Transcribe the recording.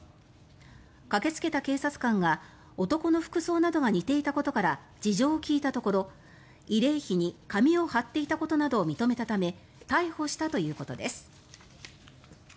駆けつけた警察官が男の服装などが似ていたことから事情を聴いたところ、慰霊碑に紙を貼っていたことなどを認めたため逮捕したということです。